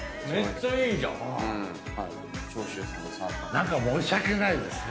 何か申し訳ないですね。